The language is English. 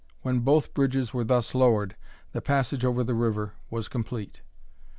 When both bridges were thus lowered, the passage over the river was complete.